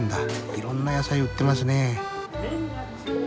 いろんな野菜売ってますね。